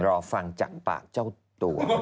รอฟังจากปากเจ้าตัว